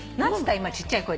今ちっちゃい声で。